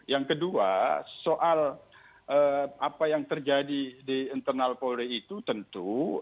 yang kedua soal apa yang terjadi di internal polri itu tentu